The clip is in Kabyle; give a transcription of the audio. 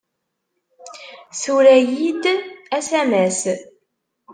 Tura-iyi-d asamas.